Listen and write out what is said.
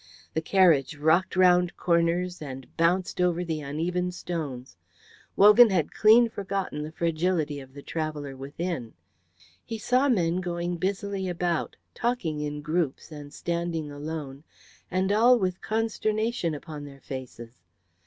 The carriage rocked round corners and bounced over the uneven stones. Wogan had clean forgotten the fragility of the traveller within. He saw men going busily about, talking in groups and standing alone, and all with consternation upon their faces.